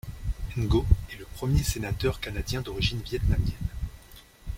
Ngo est le premier sénateur canadien d’origine vietnamienne.